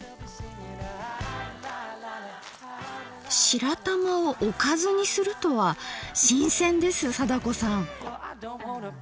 白玉をおかずにするとは新鮮です貞子さん。